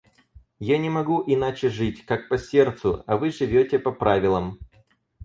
Я не могу иначе жить, как по сердцу, а вы живете по правилам.